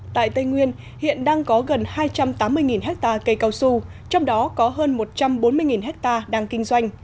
tại tây nguyên hiện đang có gần hai trăm tám mươi ha cây cao su trong đó có hơn một trăm bốn mươi ha đang kinh doanh